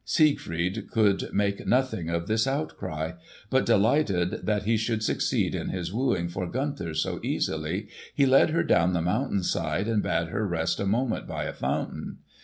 Siegfried could make nothing of this outcry; but delighted that he should succeed in his wooing for Gunther so easily, he led her down the mountain side and bade her rest a moment by a fountain.